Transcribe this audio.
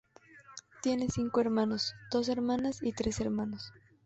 Tiene cinco hermanos: dos hermanas y tres hermanos.